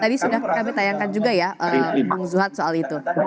tadi sudah kami tayangkan juga ya bang zuhad soal itu